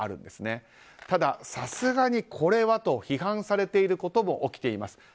ただ、さすがにこれはと批判されていることも起きています。